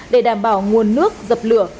để đảm bảo nguồn nước dập lửa